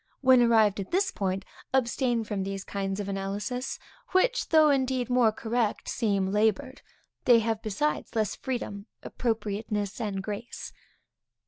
When arrived at this point, abstain from these kinds of analysis, which though indeed more correct, seem labored. They have besides less freedom, appropriateness, and grace.